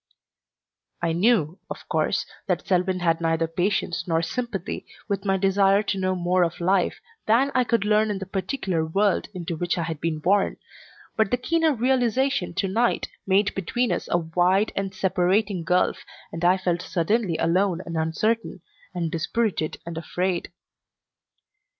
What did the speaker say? I knew, of course, that Selwyn had neither patience nor sympathy with my desire to know more of life than I could learn in the particular world into which I had been born, but the keener realization to night made between us a wide and separating gulf, and I felt suddenly alone and uncertain, and dispirited and afraid.